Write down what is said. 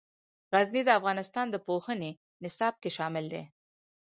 غزني د افغانستان د پوهنې نصاب کې شامل دي.